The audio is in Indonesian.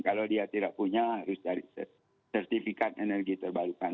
kalau dia tidak punya harus cari sertifikat energi terbarukan